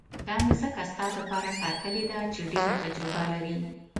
دا مې ځکه ستا دپاره ټاکلې ده چې ډېره تجربه لري.